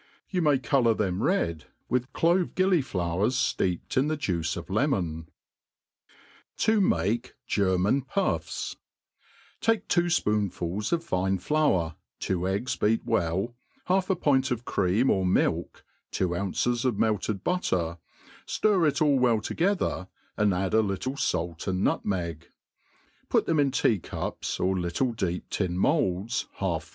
You may colour them red with clove gilliflowers fleeped in the juice of lemon.. To make German Puffi* TAKE two fpoonfuls of fine Sour, two eggs beat wellj half a pint of cream or milk, two ounces of mdted butter, fiif iC all well together, and add a little fait and nutmeg; pu( them in tea cups, or little deep tin moulds, half